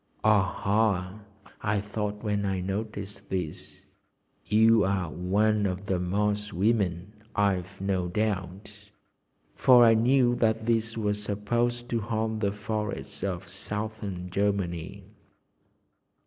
"Aha!" I thought when I noticed this, "you are one of the Moss women, I've no doubt." For I knew that these were supposed to haunt the forests of Southern Germany.